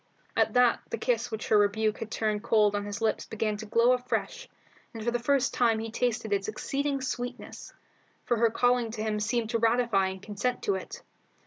At that the kiss which her rebuke had turned cold on his lips began to glow afresh, and for the first time he tasted its exceeding sweetness; for her calling to him seemed to ratify and consent to it.